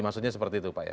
maksudnya seperti itu pak ya